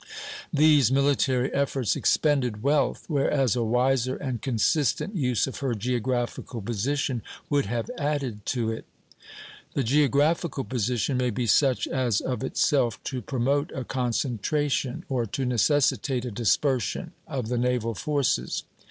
These military efforts expended wealth; whereas a wiser and consistent use of her geographical position would have added to it. The geographical position may be such as of itself to promote a concentration, or to necessitate a dispersion, of the naval forces.